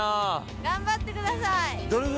頑張ってください。